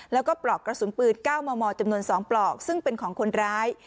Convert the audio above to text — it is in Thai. แล้วก็ปลอกกระสุนปืน๙มมจำนวน๒ปลอกซึ่งเป็นของคนร้าย